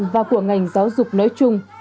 và của ngành giáo dục nói chung